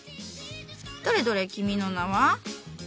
どれどれ君の名は？